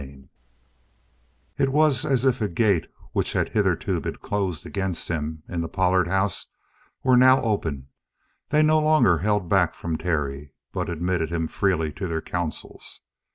CHAPTER 32 It was as if a gate which had hitherto been closed against him in the Pollard house were now opened. They no longer held back from Terry, but admitted him freely to their counsels.